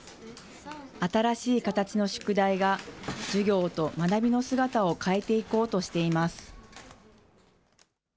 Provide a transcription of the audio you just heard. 新しい形の宿題が授業と学びの姿を変えていこうとしています。